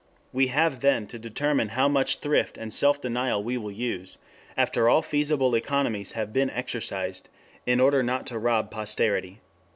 We have then to determine how much thrift and self denial we will use, after all feasible economies have been exercised, in order not to rob posterity.